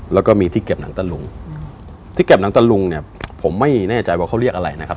แล้วก็มีที่เก็บหนังตะลุงที่เก็บหนังตะลุงเนี่ยผมไม่แน่ใจว่าเขาเรียกอะไรนะครับ